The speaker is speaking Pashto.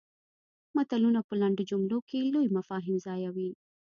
متلونه په لنډو جملو کې لوی مفاهیم ځایوي